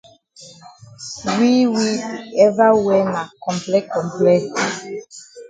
We we di ever wear na comple comple.